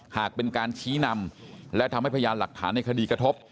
หากเป็นการชี้นำและทำให้พยานหลักฐานในคดีกระทบ